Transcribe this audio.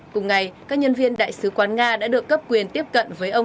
cùng ngày các nhân viên đại sứ quán nga đã được cấp quyền tiếp cận với ông